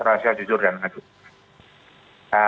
rahasia jujur dan aduh